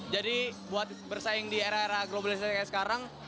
jadi buat bersaing di era era globalisasi kayak sekarang